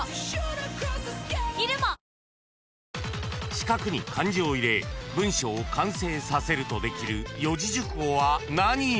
［四角に漢字を入れ文章を完成させるとできる四字熟語は何？］